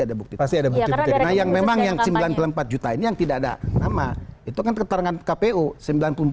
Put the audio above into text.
ada lima puluh ribu seratus ribu satu juta ada yang seribu